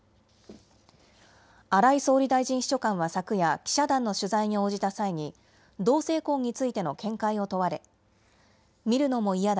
荒井総理大臣秘書官は昨夜記者団の取材に応じた際に同性婚についての見解を問われ見るのも嫌だ。